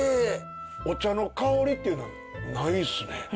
お茶の香りっていうのはないですね。